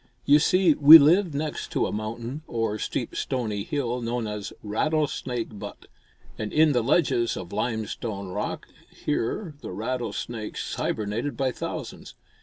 You see, we lived next to a mountain or steep stony hill known as Rattlesnake Butte, and in the ledges of limestone rock here the rattlesnakes hibernated by thousands.